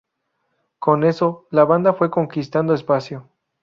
Con eso, la banda fue conquistando espacio.